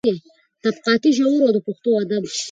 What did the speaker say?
طبقاتي شعور او پښتو ادب کې.